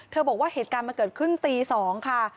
บอกว่าเหตุการณ์มันเกิดขึ้นตี๒ค่ะ